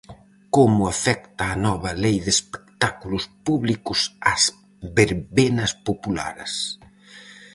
Como afecta a nova lei de espectáculos públicos ás verbenas populares?